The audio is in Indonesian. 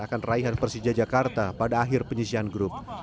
akan raihan persija jakarta pada akhir penyisian grup